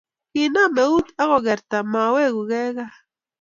kinama eut ako kerta mowekukei Kaa